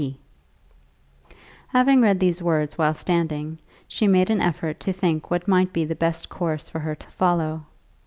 P." Having read these words while standing, she made an effort to think what might be the best course for her to follow.